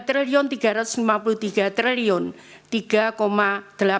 tiga tiga ratus lima puluh tiga tiga ratus delapan puluh empat rupiah